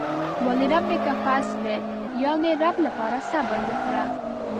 ولربک فاصبر يانې رب لپاره صبر وکړه.